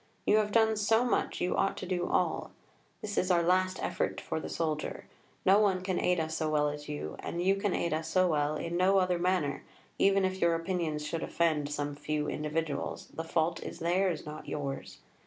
You have done so much, you ought to do all. This is our last effort for the soldier. No one can aid us so well as you, and you can aid us so well in no other manner; even if your opinions should offend some few individuals, the fault is theirs, not yours.